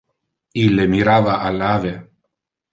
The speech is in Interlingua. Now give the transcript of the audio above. Ille mirava al ave.